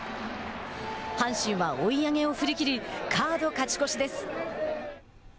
阪神は追い上げを振り切りカード勝ち越しです。